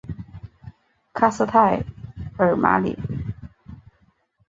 卡斯泰尔马里。